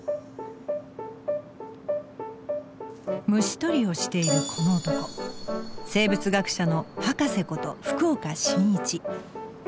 虫捕りをしているこの男生物学者のハカセこと